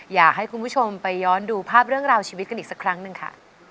อยากให้คุณผู้ชมไปย้อนดูภาพเรื่องราวชีวิตกันอีกสักครั้งหนึ่งค่ะ